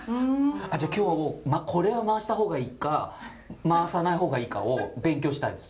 あっじゃあ今日これは回した方がいいか回さない方がいいかを勉強したいです。